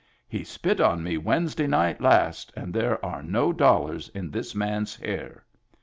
He spit on me Wednesday night last, and there are no dollars in this man's hair."